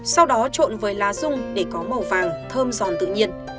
sau đó trộn với lá dung để có màu vàng thơm giòn tự nhiên